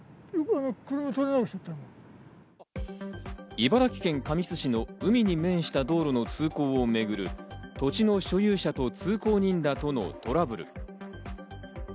茨城県神栖市の海に面した道路の通行をめぐる土地の所有者と通行人らとのトラブル。